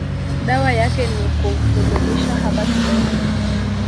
dawa yake ni kumfulumisha hapa shuleni